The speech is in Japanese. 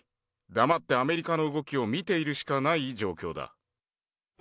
黙ってアメリカの動きを見ているしかない状況だ。